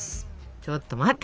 ちょと待って。